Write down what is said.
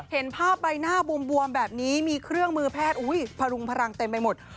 เห็นภาพใบหน้าบวมแบบนี้มีเครื่องมือแพทย์พรุงพลังเต็มไปหมด